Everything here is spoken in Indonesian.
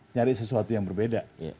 nyari sesuatu yang berbeda